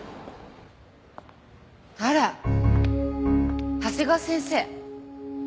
あら長谷川先生。